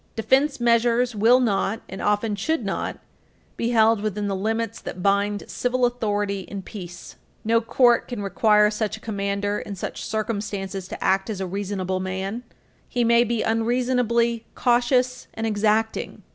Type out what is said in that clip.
Defense measures will not, and often should not, be held within the limits that bind civil authority in peace. No court can require such a commander in such circumstances to act as a reasonable man; he may be unreasonably cautious and exacting.